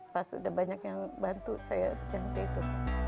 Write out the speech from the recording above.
pas udah banyak yang bantu saya ganti itu